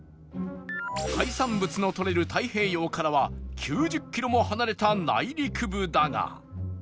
海産物の取れる太平洋からは９０キロも離れた内陸部だが